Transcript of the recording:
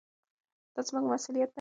دا زموږ مسؤلیت دی.